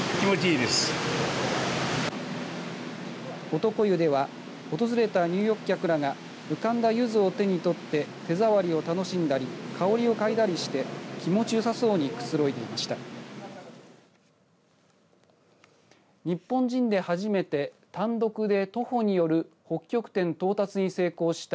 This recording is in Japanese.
男湯では、訪れた入浴客らが浮かんだゆずを手にとって手触りを楽しんだり香りを嗅いだりして気持ちよさそうにくつろいでいました。